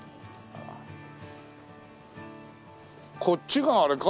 こっちがあれか？